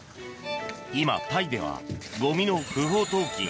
今、タイではゴミの不法投棄が